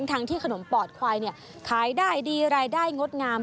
ทั้งที่ขนมปอดควายขายได้ดีรายได้งดงาม